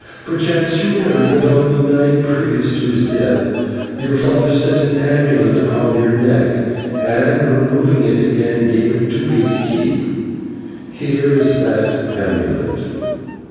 Perchance you remember that on the night previous to his death, your father set an amulet upon your neck, and, removing it again, gave it to me to keep. Here is that amulet."